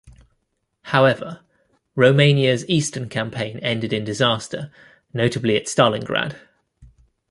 However, Romania's eastern campaign ended in disaster, notably at Stalingrad.